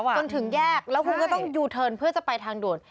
จนถึงแยกแล้วคุณก็ต้องยูเทิร์นเพื่อจะไปทางด่วน